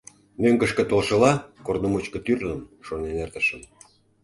Мӧҥгышкӧ толшыла, корно мучко тӱрлым шонен эртышым.